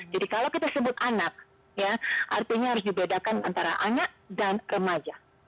jadi kalau kita sebut anak artinya harus dibedakan antara anak dan remaja